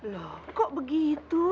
loh kok begitu